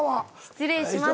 ・失礼します。